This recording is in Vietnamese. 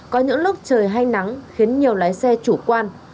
có những lúc trời hay nắng khiến nhiều lái xe chủ quan